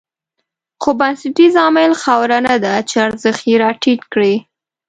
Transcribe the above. خو بنسټیز عامل خاوره نه ده چې ارزښت یې راټيټ کړی.